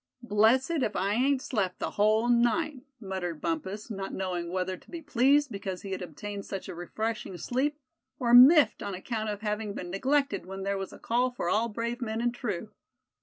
"Blessed if I ain't slept the whole night," muttered Bumpus, not knowing whether to be pleased because he had obtained such a refreshing sleep, or miffed on account of having been neglected when there was "a call for all brave men and true."